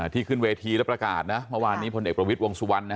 ที่ขึ้นเวทีและประกาศนะเมื่อวานนี้พลเอกบรวมวิทย์วงสุวรรณนะฮะ